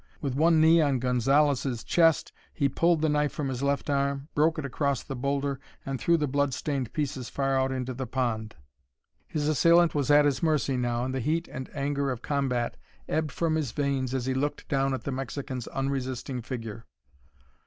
With one knee on Gonzalez's chest, he pulled the knife from his left arm, broke it across the boulder, and threw the bloodstained pieces far out into the pond. His assailant was at his mercy now and the heat and anger of combat ebbed from his veins as he looked down at the Mexican's unresisting figure.